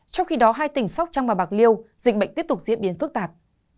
trong khi đó hai tỉnh sóc trong bà bạc liêu dịch bệnh tiếp tục diễn biến phức tạp